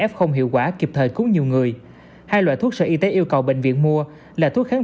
sự hiệu quả kịp thời cúng nhiều người hai loại thuốc sở y tế yêu cầu bệnh viện mua là thuốc kháng